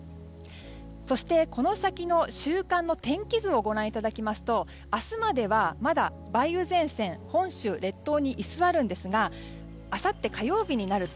そして、この先の週間の天気図をご覧いただきますと明日までは、まだ梅雨前線本州列島に居座るんですがあさって火曜日になると。